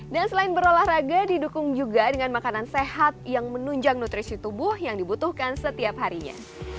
dan selain berolahraga didukung juga dengan makanan sehat yang menunjang nutrisi tubuh yang dibutuhkan setiap harinya